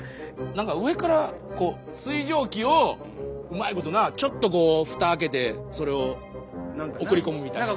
何か上から水蒸気をうまいことなちょっとこうふた開けてそれを送り込むみたいな。